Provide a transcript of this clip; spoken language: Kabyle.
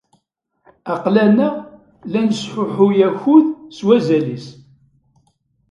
Aql-aneɣ la nesṛuḥuy akud s wazal-is.